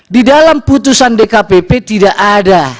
di dalam putusan dkpp tidak ada